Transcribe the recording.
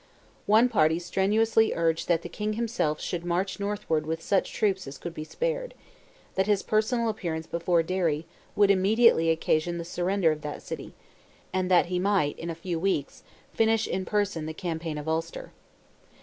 One party strenuously urged that the King himself should march northward with such troops as could be spared; that his personal appearance before Derry, would immediately occasion the surrender of that city, and that he might in a few weeks, finish in person the campaign of Ulster.